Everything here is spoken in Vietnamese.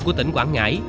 của tỉnh quảng ngãi